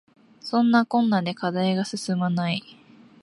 そんなこんなで課題が進まない